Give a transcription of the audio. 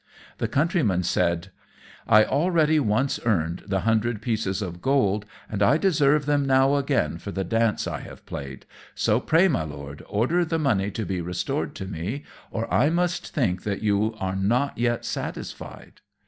The Countryman said, "I already once earned the hundred pieces of gold, and I deserve them now again for the dance I have played; so pray, my Lord, order the money to be restored to me, or I must think that you are not yet satisfied."